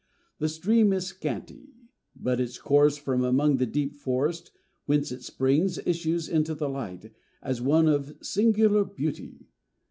The stream is scanty, but its course from among the deep forest, whence its springs issue into the light, is one of singular beauty.